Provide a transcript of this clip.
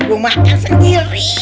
gue makan sendiri